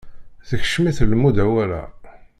Tekcem-it lmudawala.